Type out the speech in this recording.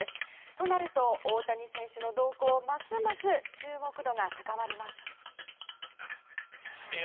となると、大谷選手の動向ますます注目度が高まります。